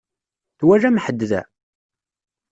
Twalam ḥedd da?